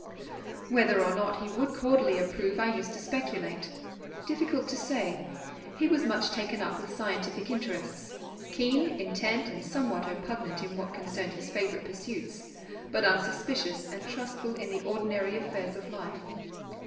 Whether or not he would cordially approve, I used to speculate. Difficult to say. He was much taken up with scientific interests; keen, intent, and somewhat oppugnant in what concerned his favourite pursuits, but unsuspicious and trustful in the ordinary affairs of life.